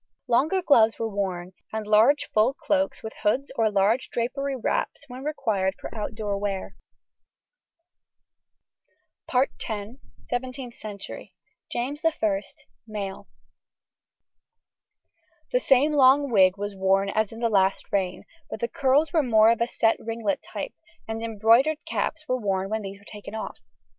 Longer gloves were worn, and large full cloaks with hoods or large drapery wraps when required for outdoor wear. [Illustration: FIG. 77. Costume notes. Period 1670 1690.] SEVENTEENTH CENTURY. JAMES II. MALE. The same long wig was worn as in the last reign, but the curls were more of a set ringlet type, and embroidered caps were worn when these were taken off.